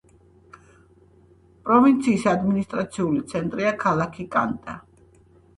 პროვინციის ადმინისტრაციული ცენტრია ქალაქი კანტა.